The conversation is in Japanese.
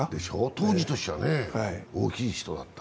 当時としては大きい人だった。